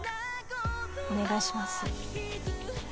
お願いします。